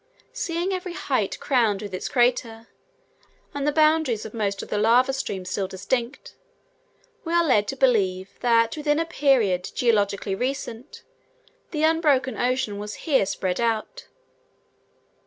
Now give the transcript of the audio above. Seeing every height crowned with its crater, and the boundaries of most of the lava streams still distinct, we are led to believe that within a period geologically recent the unbroken ocean was here spread out.